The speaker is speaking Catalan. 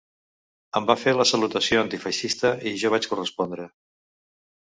Em va fer la salutació antifeixista i jo vaig correspondre